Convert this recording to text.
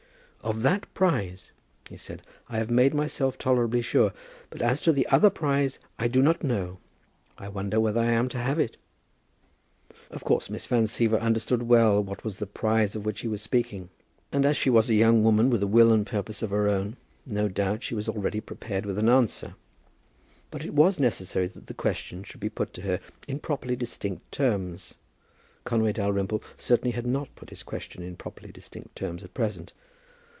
"Of that prize," he said, "I have made myself tolerably sure; but as to the other prize, I do not know. I wonder whether I am to have that." Of course Miss Van Siever understood well what was the prize of which he was speaking; and as she was a young woman with a will and purpose of her own, no doubt she was already prepared with an answer. But it was necessary that the question should be put to her in properly distinct terms. Conway Dalrymple certainly had not put his question in properly distinct terms at present.